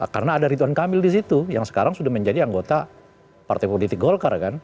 karena ada ridwan kamil disitu yang sekarang sudah menjadi anggota partai politik golkar kan